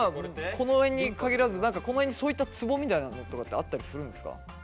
この辺に限らず何かこの辺にそういったツボみたいなのとかってあったりするんですか？